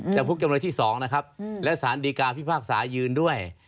จำคุกจำเลยที่๒นะครับและสารดีกาพิพากษายืนด้วย